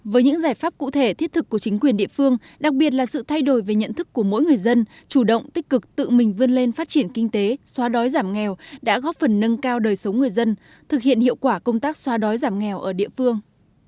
với những giải pháp cụ thể thiết thực của chính quyền địa phương đặc biệt là sự thay đổi về nhận thức của mỗi người dân chủ động tích cực tự mình vươn lên phát triển kinh tế xóa đói giảm nghèo đã góp phần nâng cao đời sống người dân thực hiện hiệu quả công tác xóa đói giảm nghèo ở địa phương